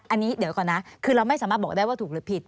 อันนี้เดี๋ยวก่อนนะคือเราไม่สามารถบอกได้ว่าถูกหรือผิด